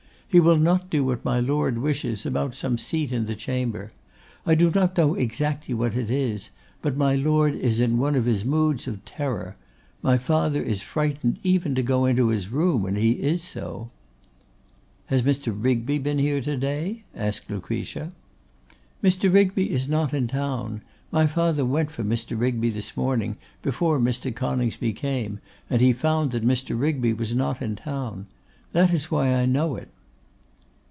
He will not do what my Lord wishes, about some seat in the Chamber. I do not know exactly what it is; but my Lord is in one of his moods of terror: my father is frightened even to go into his room when he is so.' 'Has Mr. Rigby been here to day?' asked Lucretia. 'Mr. Rigby is not in town. My father went for Mr. Rigby this morning before Mr. Coningsby came, and he found that Mr. Rigby was not in town. That is why I know it.